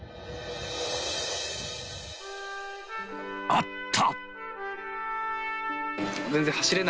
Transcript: ［あった！］